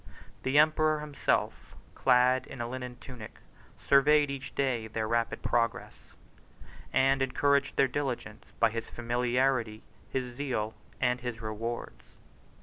The emperor himself, clad in a linen tunic, surveyed each day their rapid progress, and encouraged their diligence by his familiarity, his zeal, and his rewards.